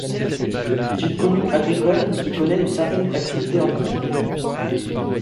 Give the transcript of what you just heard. C'est une commune agricole mais qui connaît une certaine activité industrielle.